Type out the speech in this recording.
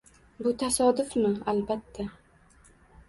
Bu tasodifmi? Albatta!